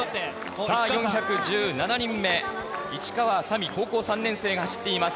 さあ、４１７人目、市川沙美、高校３年生が走っています。